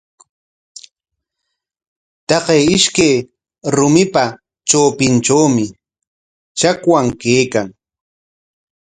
Taqay ishkay rumipa trawpintrawmi chakwan kaykan.